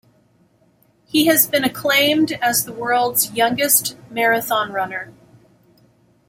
He has been acclaimed as the world's youngest marathon runner.